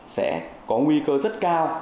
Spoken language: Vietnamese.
sẽ có nguy cơ rất cao